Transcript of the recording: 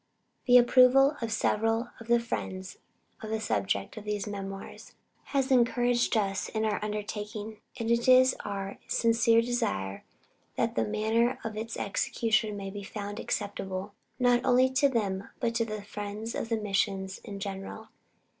The approval of several of the friends of the subjects of these memoirs, has encouraged us in our undertaking, and it is our sincere desire that the manner of its execution may be found acceptable, not only to them, but to the friends of missions in general.